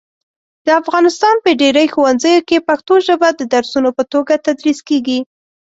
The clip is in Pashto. د افغانستان په ډېری ښوونځیو کې پښتو ژبه د درسونو په توګه تدریس کېږي.